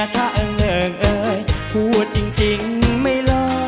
คราวที่